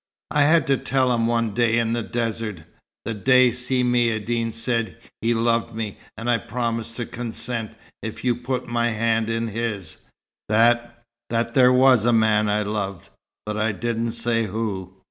"I had to tell him one day in the desert (the day Si Maïeddine said he loved me, and I promised to consent if you put my hand in his) that that there was a man I loved. But I didn't say who.